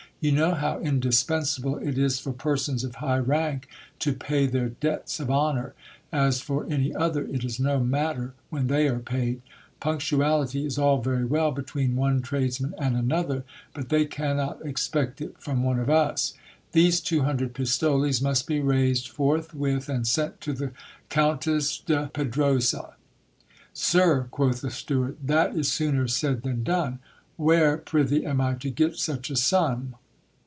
You know how indispensable it is for persons of high rank to pay their debts of honour. As for any other, it is no matter when they are paid. Punctuality is all very well between one tradesman and another, but they cannot expect it from one of us. These two, hundred pistoles must be raised forthwith and sent to the Countess de Pedrosa! ' Sirj quoth the steward,' that is sooner said than done. Where, prythee, am I to get such a sum?